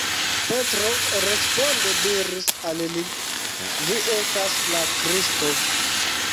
Petro responde diris al li: Vi estas la Kristo.